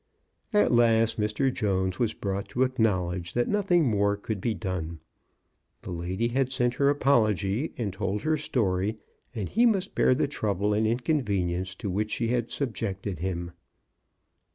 At last Mr. Jones was brought to acknowledge that nothing more could be done. The lady had sent her apology and told her story, and he must bear the trouble and incon venience to which she had subjected him.